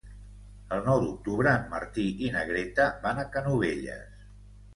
El nou d'octubre en Martí i na Greta van a Canovelles.